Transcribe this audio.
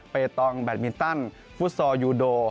ตองแบตมินตันฟุตซอลยูโด